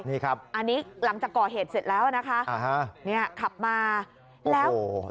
นี่ครับอันนี้หลังจากก่อเหตุเสร็จแล้วนะคะอ่าฮะเนี่ยขับมาแล้วโอ้โห